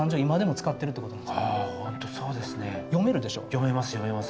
読めます読めます。